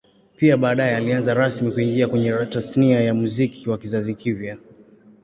Pia baadae alianza rasmi kuingia kwenye Tasnia ya Muziki wa kizazi kipya